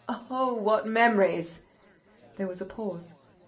Oh, what memories!" There was a pause.